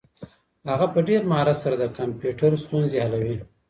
هغه په ډېر مهارت سره د کمپيوټر ستونزې حلوي.